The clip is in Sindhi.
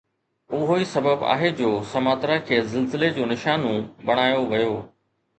اهو ئي سبب آهي جو سماترا کي زلزلي جو نشانو بڻايو ويو